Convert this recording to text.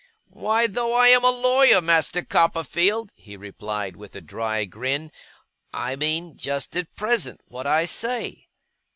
'Why, though I am a lawyer, Master Copperfield,' he replied, with a dry grin, 'I mean, just at present, what I say.